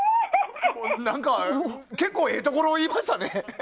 何か結構ええところ言いましたね。